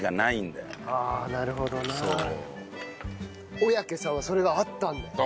小宅さんはそれがあったんだね。